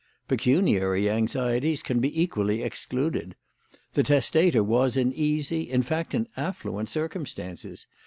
Pecuniary anxieties can be equally excluded. The testator was in easy, in fact, in affluent circumstances.